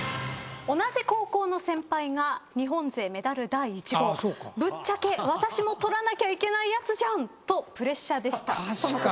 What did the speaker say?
同じ高校の先輩が日本勢メダル第１号ぶっちゃけ私も獲らなきゃいけないやつじゃん。とプレッシャーでした。